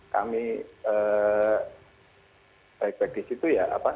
kami baik baik disitu ya